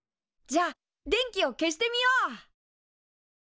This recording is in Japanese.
じゃあ電気を消してみよう！